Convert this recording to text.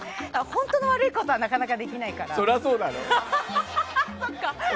本当の悪いことはなかなかできないから。